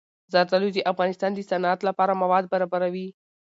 زردالو د افغانستان د صنعت لپاره مواد برابروي.